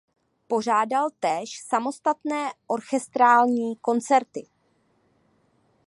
Pořádal též samostatné orchestrální koncerty.